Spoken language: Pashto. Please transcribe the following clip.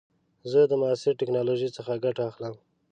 زه د معاصر ټکنالوژۍ څخه ګټه اخلم.